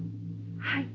はい。